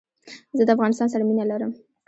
زه دافغانستان سره مينه لرم